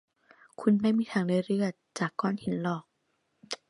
คุณไม่มีทางได้เลือดจากก้อนหินหรอก